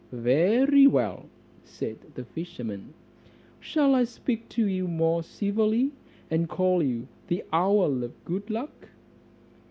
"Very well," replied the fisherman, "shall I speak to you more civilly, and call you the owl of good luck?"